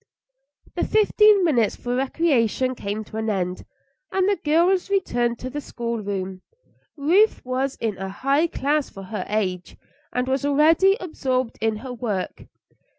The fifteen minutes for recreation came to an end, and the girls returned to the schoolroom. Ruth was in a high class for her age, and was already absorbed in her work.